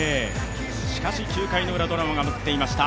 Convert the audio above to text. しかし、９回のウラ、ドラマが待っていました。